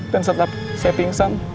dan setelah saya pingsan